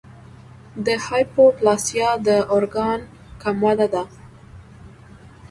د هایپوپلاسیا د ارګان کم وده ده.